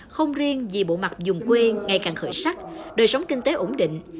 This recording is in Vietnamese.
không riêng vì bộ mặt dùng quê ngày càng khởi sắc đời sống kinh tế ổn định